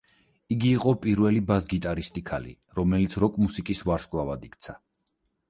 იგი იყო პირველი ბას-გიტარისტი ქალი, რომელიც როკ-მუსიკის ვარსკვლავად იქცა.